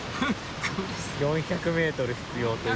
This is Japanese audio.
４００ｍ必要という。